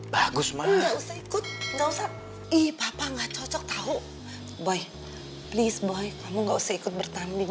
bagus mah ikut ikut nggak usah ii papa nggak cocok tahu boy please boy kamu nggak usah ikut bertanding